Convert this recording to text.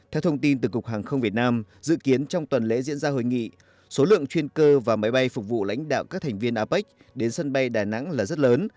theo thông tin từ cục hàng không việt nam dự kiến trong tuần lễ diễn ra hội nghị số lượng chuyên cơ và máy bay phục vụ lãnh đạo các thành viên apec đến sân bay đà nẵng là rất lớn